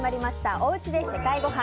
おうちで世界ごはん。